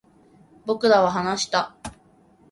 僕らは話した